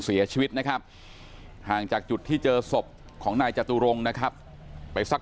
เสียชีวิตนะครับห่างจากจุดที่เจอศพของนายจตุรงค์นะครับไปสัก